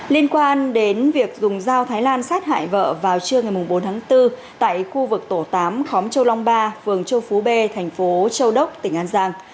liên quan đến việc dùng dao thái lan sát hại vợ vào trưa ngày bốn tháng bốn tại khu vực tổ tám khóm châu long ba phường châu phú b thành phố châu đốc tỉnh an giang